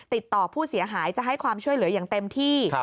ติดต่อผู้เสียหายจะให้ความช่วยเหลืออย่างเต็มที่